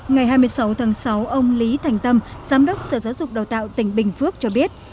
ngày hai mươi sáu tháng sáu ông lý thành tâm giám đốc sở giáo dục đào tạo tỉnh bình phước cho biết